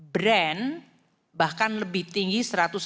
brand bahkan lebih tinggi satu ratus delapan